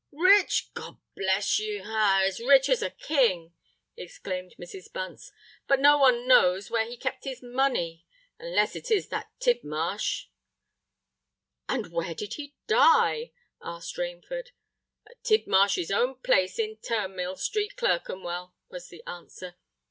"Rich, God bless ye! Ah! as rich as a King!" exclaimed Mrs. Bunce. "But no one knows where he kept his money—unless it is that Tidmarsh." "And where did he die?" asked Rainford. "At Tidmarsh's own place in Turnmill Street, Clerkenwell," was the answer.